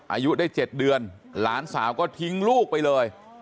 อายุได้๗เดือนหลานสาวก็ทิ้งลูกไปเลย